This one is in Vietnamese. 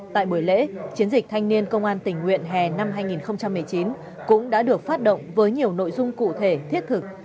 tại buổi lễ chiến dịch thanh niên công an tỉnh nguyện hè năm hai nghìn một mươi chín cũng đã được phát động với nhiều nội dung cụ thể thiết thực